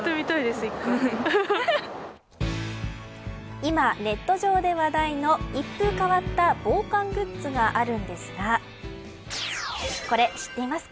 今ネット上で話題の一風変わった防寒グッズがあるんですがこれ、知っていますか。